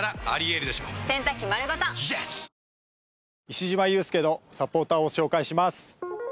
石島雄介のサポーターを紹介します